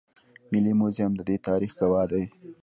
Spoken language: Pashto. ملي موزیم د دې تاریخ ګواه دی